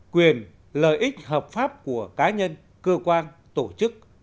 quyền lợi ích hợp pháp của cá nhân cơ quan tổ chức